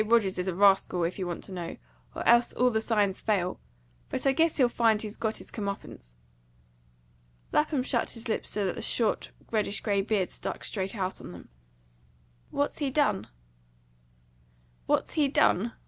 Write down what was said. Rogers is a rascal, if you want to know; or else all the signs fail. But I guess he'll find he's got his come uppance." Lapham shut his lips so that the short, reddish grey beard stuck straight out on them. "What's he done?" "What's he done?